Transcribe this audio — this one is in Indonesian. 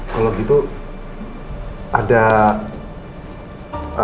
kalo gitu ada